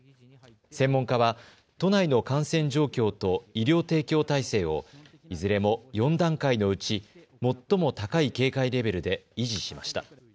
専門家は都内の感染状況と医療提供体制をいずれも４段階のうち最も高い警戒レベルで維持しました。